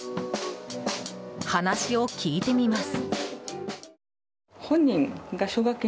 話を聞いてみます。